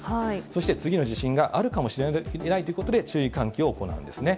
そして次の地震があるかもしれないということで、注意喚起を行うんですね。